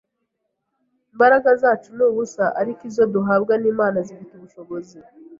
Imbaraga zacu ni ubusa, ariko izo duhabwa n’Imana zifite ubushobozi